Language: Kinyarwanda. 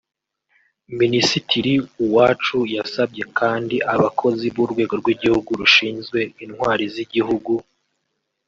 Minisitiri Uwacu yasabye kandi abakozi b’urwego rw’igihugu rushinzwe intwari z’igihugu